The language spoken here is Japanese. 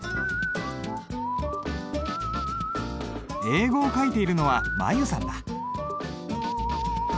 英語を書いているのは舞悠さんだ。